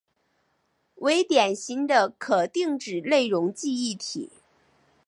为典型的可定址内容记忆体。